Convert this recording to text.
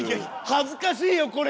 恥ずかしいよこれ！